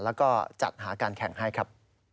แล้วก็จัดหาการแข่งให้ครับ